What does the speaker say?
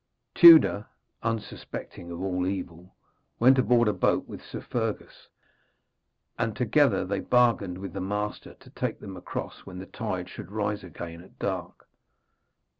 Tewder, unsuspecting of all evil, went aboard a boat with Sir Fergus, and together they bargained with the master to take them across when the tide should rise again at dark.